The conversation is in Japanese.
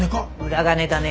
裏金だね。